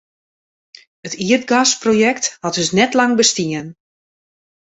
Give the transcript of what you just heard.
It ierdgasprojekt hat dus net lang bestien.